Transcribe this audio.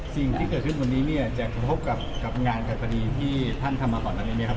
สิ่งที่เกิดขึ้นวันนี้เนี่ยจะกระทบกับงานกฎีที่ท่านทำมาก่อนอันนี้ไหมครับ